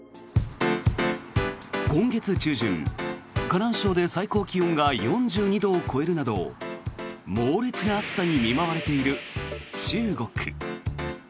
今月中旬、河南省で最高気温が４２度を超えるなど猛烈な暑さに見舞われている中国。